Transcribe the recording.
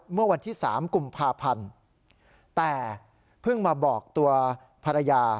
เมื่อวันที่๓กุมภาพันธ์แต่เพิ่งมาบอกตัวภรรยา